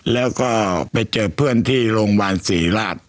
แล้วก็ไปเจอเพื่อนที่โรงพยาบาลศรีราช